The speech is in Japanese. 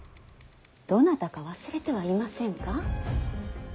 どなたか忘れてはいませんか。